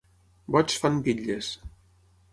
Boigs fan bitlles.